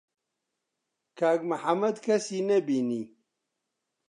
کاک محەممەد کەسی نەبینی.